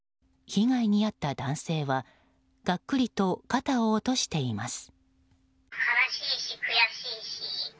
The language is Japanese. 被害に遭った男性はガックリと肩を落としています。